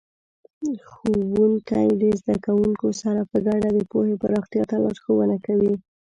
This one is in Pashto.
ښوونکي د زده کوونکو سره په ګډه د پوهې پراختیا ته لارښوونه کوي.